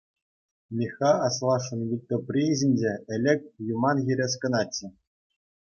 Михха аслашшӗн вилтӑприйӗ ҫинче ӗлӗк юман хӗрес кӑначчӗ.